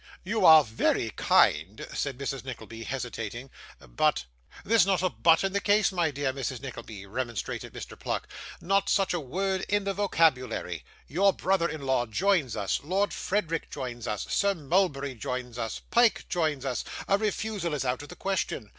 'You are very kind,' said Mrs. Nickleby, hesitating; 'but ' 'There's not a but in the case, my dear Mrs. Nickleby,' remonstrated Mr Pluck; 'not such a word in the vocabulary. Your brother in law joins us, Lord Frederick joins us, Sir Mulberry joins us, Pyke joins us a refusal is out of the question.